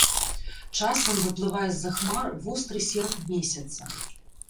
Часам выплывае з-за хмар востры серп месяца.